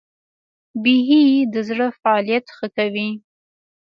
بیهي د زړه فعالیت ښه کوي.